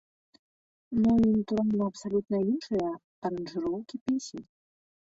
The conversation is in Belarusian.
Ну і, натуральна, абсалютна іншыя аранжыроўкі песень.